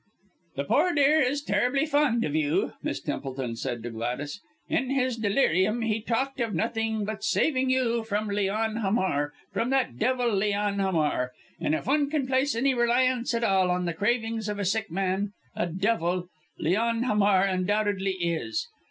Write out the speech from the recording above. "The poor boy is terribly fond of you," Miss Templeton said to Gladys. "In his delirium he talked of nothing but saving you from Leon Hamar from that devil Leon Hamar and if one can place any reliance at all, on the ravings of a sick man, a devil, Leon Hamar undoubtedly is.